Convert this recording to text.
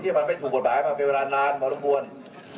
ที่มันไม่ถูกบทบายมาเป็นเวลานานพอละควร